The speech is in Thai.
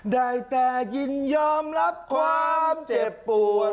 ได้แต่ยินยอมรับความเจ็บปวด